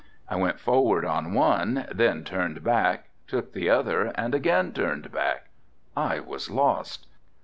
I went forward on one, then turned back, took the other and again turned back. I was lost.